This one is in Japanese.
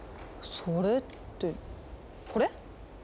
それってこれ？